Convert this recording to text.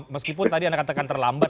meskipun tadi anda katakan terlambat